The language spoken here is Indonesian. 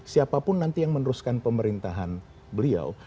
siapapun nanti yang meneruskan pemerintahan beliau